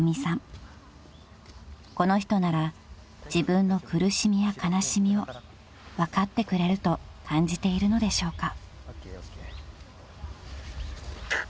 ［この人なら自分の苦しみや悲しみを分かってくれると感じているのでしょうか？］